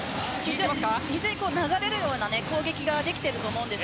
非常に流れるような攻撃ができていると思います。